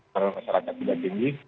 karena masyarakat tidak tinggi